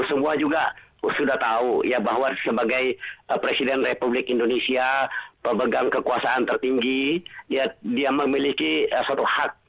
semua juga sudah tahu ya bahwa sebagai presiden republik indonesia pemegang kekuasaan tertinggi dia memiliki suatu hak